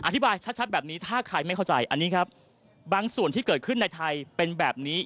อธิบายชัดแบบนี้ถ้าใครไม่เข้าใจอันนี้ครับบางส่วนที่เกิดขึ้นในไทยเป็นแบบนี้